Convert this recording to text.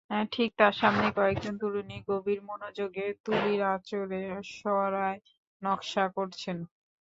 ঠিক তার সামনেই কয়েকজন তরুণী গভীর মনোযোগে তুলির আঁচড়ে সরায় নকশা করছেন।